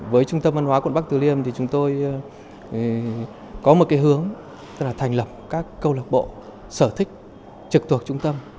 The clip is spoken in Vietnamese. với trung tâm văn hóa quận bắc từ liêm thì chúng tôi có một cái hướng tức là thành lập các câu lạc bộ sở thích trực thuộc trung tâm